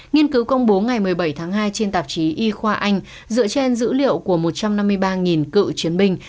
nghiên cứu công bố ngày một mươi bảy tháng hai trên tạp chí y khoa anh dựa trên dữ liệu của một trăm năm mươi ba cựu chiến binh